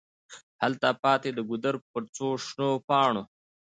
هلته پاتي د ګودر پر څوشنو پاڼو